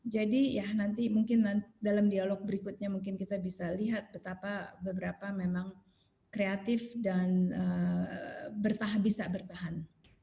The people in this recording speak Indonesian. jadi ya nanti mungkin dalam dialog berikutnya mungkin kita bisa lihat betapa beberapa memang kreatif dan bisa bertahan